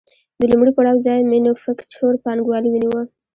د لومړي پړاو ځای مینوفکچور پانګوالي ونیو